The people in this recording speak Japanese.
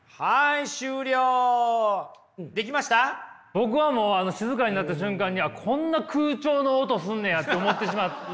僕はもう静かになった瞬間にこんな空調の音すんねやって思ってしまった。